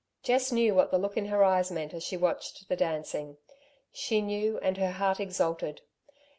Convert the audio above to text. Jess knew what the look in her eyes meant as she watched the dancing; she knew and her heart exulted.